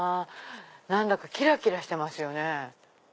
何だかきらきらしてますよね。